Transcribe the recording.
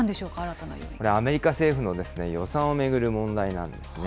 これ、アメリカ政府の予算を巡る問題なんですね。